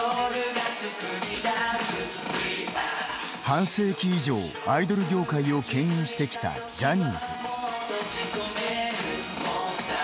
半世紀以上、アイドル業界をけん引してきたジャニーズ。